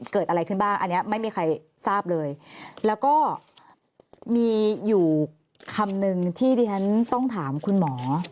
เกิดอะไรขึ้นบ้างอันนี้ไม่มีใครทราบเลยแล้วก็มีอยู่คำนึงที่ที่ฉันต้องถามคุณหมอ